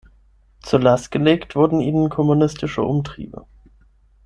Zur Last gelegt wurden ihnen kommunistische Umtriebe.